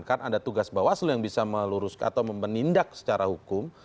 kan ada tugas bawah sel yang bisa melurus atau menindak secara hukum